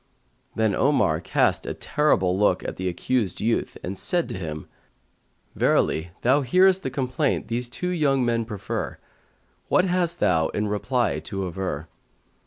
Then Omar cast a terrible look at the accused youth and said to him, "Verily thou hearest the complaint these two young men prefer; what hast thou in reply to aver?"